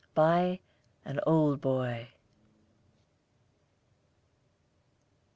By An Old Boy.